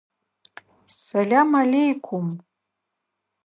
Сэлам аллейкум!